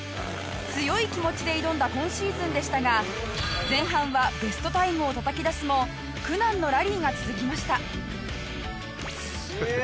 強い気持ちで挑んだ今シーズンでしたが前半はベストタイムをたたき出すも苦難のラリーが続きました。